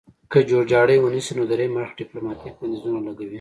که جوړجاړی ونشي نو دریم اړخ ډیپلوماتیک بندیزونه لګوي